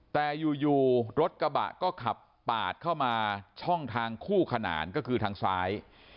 แต่อยู่รถกระบะก็ขับปาดเข้ามาช่องทางคู่ขนานก็คือทางซ้าย